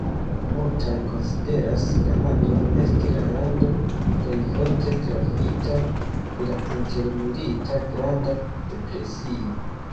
Multaj konsideras Kanadon esti la lando plej forte trafita de la intermilita Granda depresio.